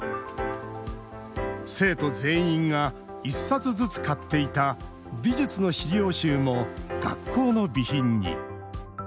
生徒全員が１冊ずつ買っていた美術の資料集も学校の備品に。